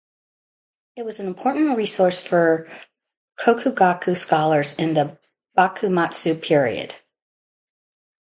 It was an important resource for "kokugaku" scholars in the Bakumatsu period.